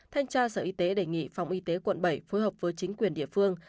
thanh tra sở y tế đề nghị phòng y tế quận bảy phối hợp với chính quyền địa phương